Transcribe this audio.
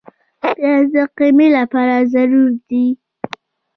پیاز د قیمې لپاره ضروري دی